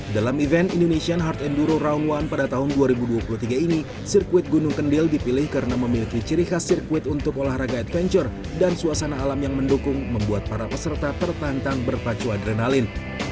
dalam event indonesian hard enduro round one pada tahun dua ribu dua puluh tiga ini sirkuit gunung kendil dipilih karena memiliki ciri khas sirkuit untuk olahraga adventure dan suasana alam yang mendukung membuat para peserta tertantang berpacu adrenalin